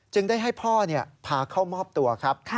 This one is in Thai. ได้ให้พ่อพาเข้ามอบตัวครับ